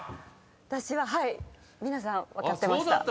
私は皆さん分かってました。